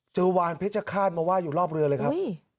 เจอวานเพชรขาดมาว่าอยู่รอบเรือเลยครับ